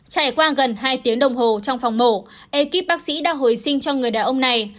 trải qua gần hai tiếng đồng hồ trong phòng mổ ekip bác sĩ đã hồi sinh cho người đàn ông này